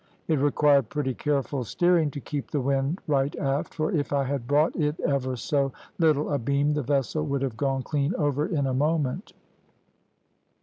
It required pretty careful steering to keep the wind right aft, for if I had brought it ever so little abeam the vessel would have gone clean over in a moment.